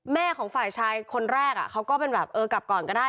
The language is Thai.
แม่ของฝ่ายชายคนแรกเขาก็เป็นแบบเออกลับก่อนก็ได้